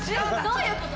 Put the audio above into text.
どういうこと？